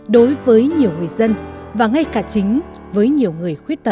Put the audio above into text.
đối với nhiều người dân và ngay cả chính với nhiều người khuyết tật